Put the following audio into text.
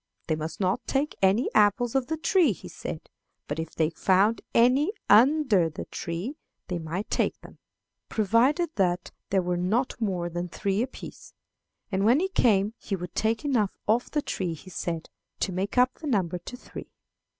They must not take any apples off the tree, he said, but if they found any under the tree they might take them, provided that there were not more than three apiece; and when he came he would take enough off the tree, he said, to make up the number to three.